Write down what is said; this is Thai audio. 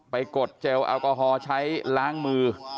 กดเจลแอลกอฮอล์ใช้ล้างมือ